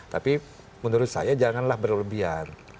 tapi menurut saya janganlah berlebihan